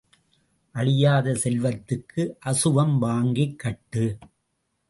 அழியாத செல்வத்துக்கு அசுவம் வாங்கிக் கட்டு.